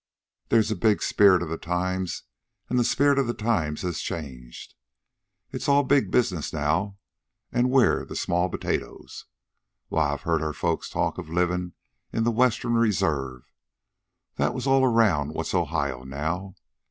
There's a spirit of the times, an' the spirit of the times has changed. It's all big business now, an' we're the small potatoes. Why, I've heard our folks talk of livin' in the Western Reserve. That was all around what's Ohio now.